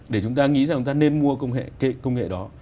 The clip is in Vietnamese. để chúng ta nghĩ rằng chúng ta nên mua công nghệ đó